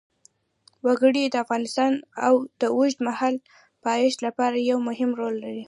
وګړي د افغانستان د اوږدمهاله پایښت لپاره یو مهم رول لري.